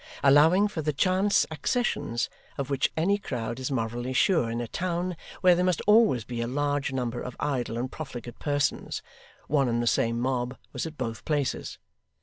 Allowing for the chance accessions of which any crowd is morally sure in a town where there must always be a large number of idle and profligate persons, one and the same mob was at both places.